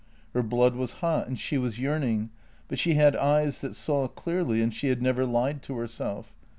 Her blood was hot and she was yearning, but she had eyes that saw clearly, and she had never lied to herself.